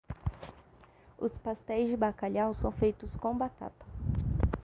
Os pastéis de bacalhau são feitos com batata.